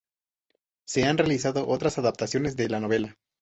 Se han realizado otras adaptaciones de la novela.